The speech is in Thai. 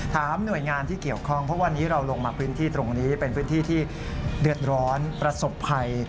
หน่วยงานที่เกี่ยวข้องเพราะวันนี้เราลงมาพื้นที่ตรงนี้เป็นพื้นที่ที่เดือดร้อนประสบภัย